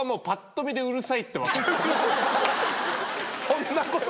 そんなことない。